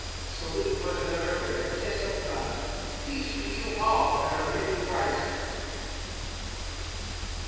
(14)Salute one another with a kiss of love. Peace to you all, that are in Christ.